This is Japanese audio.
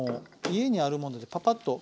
家にあるものでパパッと。